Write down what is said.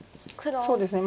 そうですね。